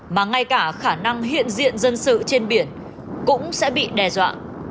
mà ngay cả khả năng hiện diện dân sự trên biển cũng sẽ bị đe dọa